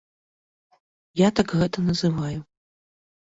Я так гэта называю.